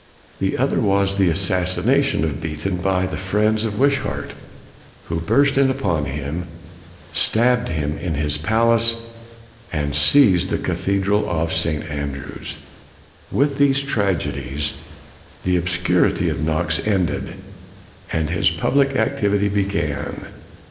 The other was the assassination of Beaton by the friends of Wishart, who burst in upon him, stabbed him in his palace, and seized the cathedral of St. Andrews. With these tragedies, the obscurity of Knox ended, and his public activity began.